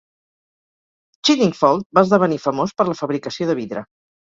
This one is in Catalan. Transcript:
Chiddingfold va esdevenir famós per la fabricació de vidre.